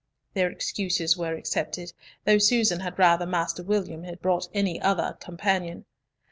Their excuses were accepted, though Susan had rather Master William had brought any other companion.